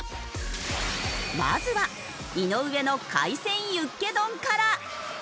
まずは井上の海鮮ユッケ丼から。